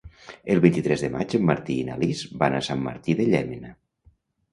El vint-i-tres de maig en Martí i na Lis van a Sant Martí de Llémena.